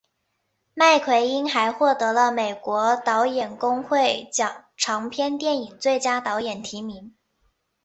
麦奎因还获得了美国导演工会奖长片电影最佳导演提名。